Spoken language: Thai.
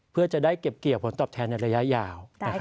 เพื่อจะได้เก็บเกี่ยวผลตอบแทนในระยะยาว